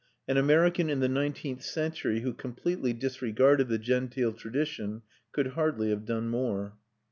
An American in the nineteenth century who completely disregarded the genteel tradition could hardly have done more.